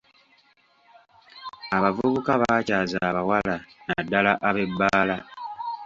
Abavubuka baakyakaza abawala, naddala ab'ebbaala.